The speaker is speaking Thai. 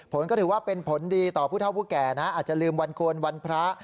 ผลก็ถือว่าเป็นผลดีต่อผู้เท่าผู้แก่นะอาจจะลืมวันโกนวันพระ